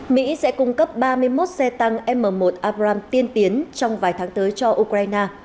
mỹ sẽ cung cấp ba mươi một xe tăng m một abram tiên tiến trong vài tháng tới cho ukraine